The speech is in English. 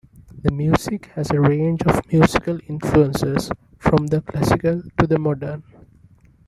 The music has a range of musical influences from the classical to the modern.